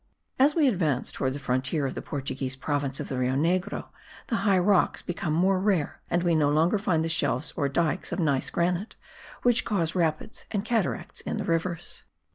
As we advance towards the frontier of the Portuguese province of the Rio Negro the high rocks become more rare and we no longer find the shelves or dykes of gneiss granite which cause rapids and cataracts in the rivers.